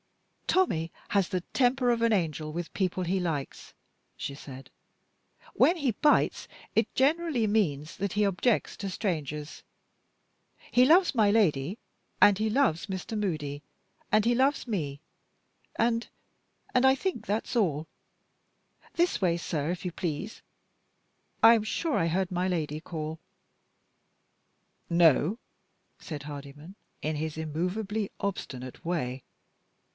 "Tommie has the temper of an angel with the people he likes," she said. "When he bites, it generally means that he objects to strangers. He loves my Lady, and he loves Mr. Moody, and he loves me, and and I think that's all. This way, sir, if you please, I am sure I heard my Lady call." "No," said Hardyman, in his immovably obstinate way.